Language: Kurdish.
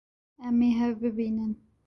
Em ê hev bibînin.